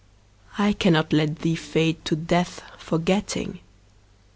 I cannot let thee fade to death, forgetting.